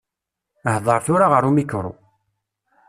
Hder tura ɣer umikru.